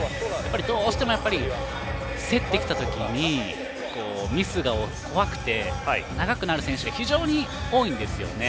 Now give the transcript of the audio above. どうしても競ってきた時にミスが怖くて長くなる選手が非常に多いんです。